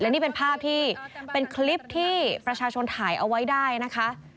นี่เป็นภาพที่เป็นคลิปที่ประชาชนถ่ายเอาไว้ได้นะคะ